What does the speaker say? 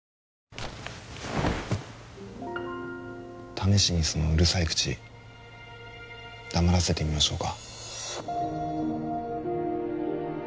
試しにそのうるさい口黙らせてみましょうか？